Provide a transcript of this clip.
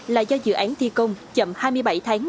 là do dự án thi công chậm hai mươi bảy tháng